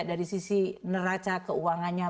dari sisi neraca keuangannya